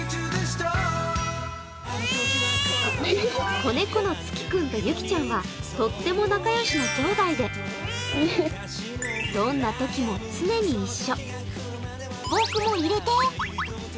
子猫のツキ君とユキちゃんはとっても仲良しのきょうだいでどんなときも常に一緒。